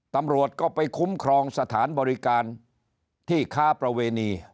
ตำรวจก็ไปคุ้มครองสถานบริการที่ค้าประเวณี